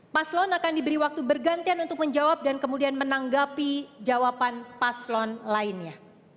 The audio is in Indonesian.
paslon akan diberi waktu bergantian untuk menjawab dan kemudian menanggapi jawaban paslon lainnya